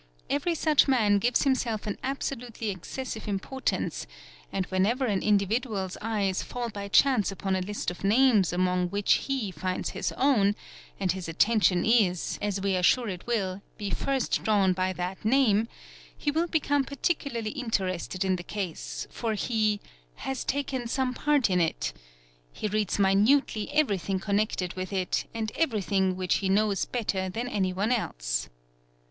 Every such man himself an absolutely excessive importance, and whenever an Mdividual's eyes fall by chance upon a list of names among which he finds his own, and his attention is, as we are sure it will, be first drawn by 4 name, he will become particularly interested in the case, for he 'thas mr some part in it'; he reads minutely everything connected with it everything which he knows better than any one else.